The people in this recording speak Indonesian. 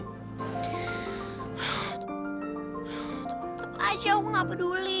tetep aja aku gak peduli